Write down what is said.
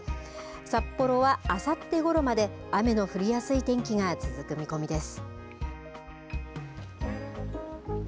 札幌は、あさってごろまで雨の降りやすい天気が続く見込みです。